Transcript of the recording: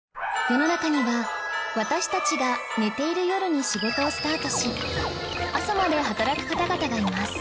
世の中には私たちが寝ている夜に仕事をスタートし朝まで働く方々がいます